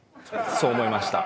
そう思いました。